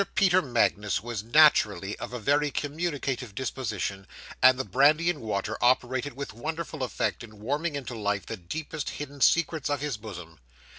Peter Magnus was naturally of a very communicative disposition, and the brandy and water operated with wonderful effect in warming into life the deepest hidden secrets of his bosom.